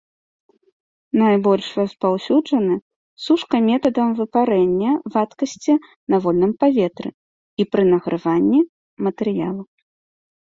Найбольш распаўсюджаны сушка метадам выпарэння вадкасці на вольным паветры і пры награванні матэрыялу.